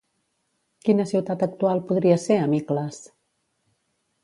Quina ciutat actual podria ser Amicles?